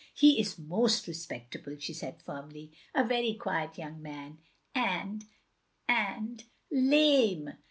" He is most respectable, " she said firmly. "A very quiet yotmg man, — ^and — ^and lame.'